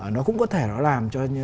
nó cũng có thể nó làm cho